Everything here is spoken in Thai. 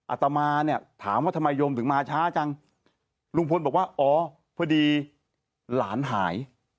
อาตมาเนี่ยถามว่าทำไมโยมถึงมาช้าจังลุงพลบอกว่าอ๋อพอดีหลานหาย